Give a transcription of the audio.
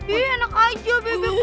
iya enak aja bebe